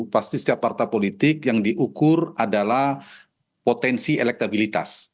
pasti setiap partai politik yang diukur adalah potensi elektabilitas